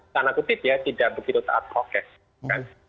tanah kutip ya tidak begitu total progress